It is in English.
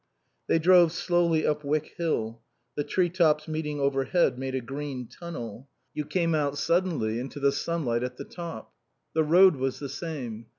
They drove slowly up Wyck Hill. The tree tops meeting overhead made a green tunnel. You came out suddenly into the sunlight at the top. The road was the same.